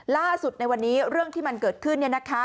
ล่าสุดในวันนี้เรื่องที่มันเกิดขึ้น